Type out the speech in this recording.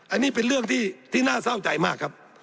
อันนี้เป็นเรื่องที่น่าเศร้าใจมากครับ